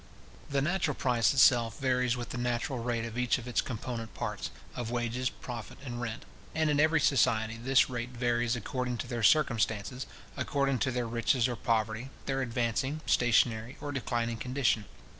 The natural price itself varies with the natural rate of each of its component parts, of wages, profit, and rent; and in every society this rate varies according to their circumstances, according to their riches or poverty, their advancing, stationary, or declining condition.